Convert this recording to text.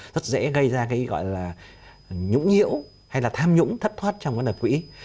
rất dễ gây ra cái gọi là nhũng nhiễu hay là tham nhũng thất thoát trong vấn đề quỹ